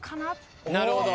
なるほど！